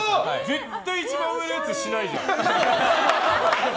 絶対一番上のやつしないじゃん。